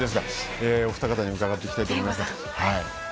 お二方に伺いたいと思います。